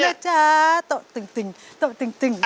ที่เจนได้ใช่ไหมเนี่ยโอกับพ่ออยู่นะจ๊ะ